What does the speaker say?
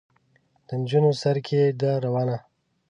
د نجونو سر کې ده روانه.